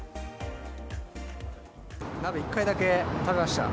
鍋１回だけ食べました。